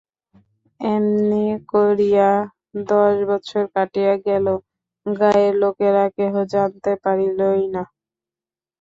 এমনি করিয়া দশ বৎসর কাটিয়া গেল, গাঁয়ের লোকেরা কেহ জানিতে পারিলই না।